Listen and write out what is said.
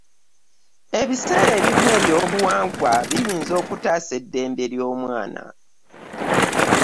Ebiseera ebimu ebyobuwangwa biyinza okutaasa eddembe ly’omwana.